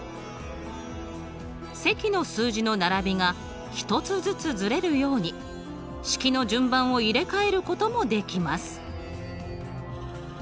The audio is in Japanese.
積の数字の並びが１つずつずれるように式の順番を入れ替えることもできます。